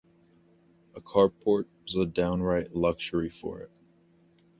A carport was a downright luxury for it.